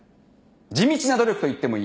地道な努力といってもいい。